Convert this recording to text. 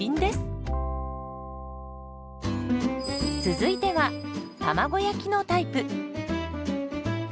続いては卵焼きのタイプ。